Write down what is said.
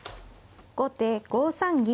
後手５三銀。